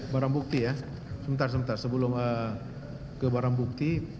barang bukti ya sebentar sebentar sebelum ke barang bukti